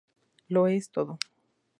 Lo es todo.